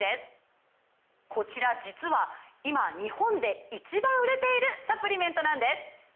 こちら実は今日本で１番売れているサプリメントなんです！